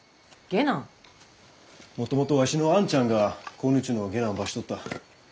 もともとわしの兄ちゃんがこん家の下男ばしとった。